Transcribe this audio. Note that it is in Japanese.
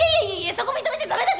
そこ認めちゃダメだから！